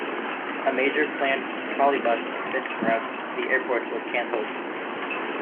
A major planned Trolleybus extension route to the airport was cancelled.